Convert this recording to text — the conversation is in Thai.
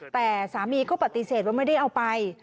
แต่สามีก็ปฏิเสธว่าไม่ได้เอาไป